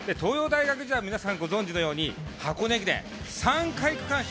皆さんご存じのように箱根駅伝、３回区間賞。